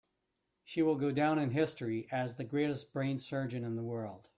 She will go down in history as the greatest brain surgeon in the world.